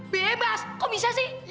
bebas kok bisa sih